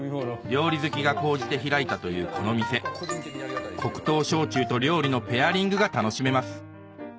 料理好きが高じて開いたというこの店黒糖焼酎と料理のペアリングが楽しめます